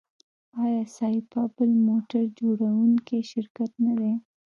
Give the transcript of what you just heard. آیا سایپا بل موټر جوړوونکی شرکت نه دی؟